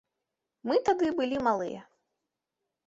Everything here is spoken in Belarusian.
Мы тады былі малыя.